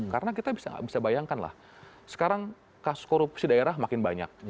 karena kita bisa bayangkanlah sekarang kasus korupsi daerah makin banyak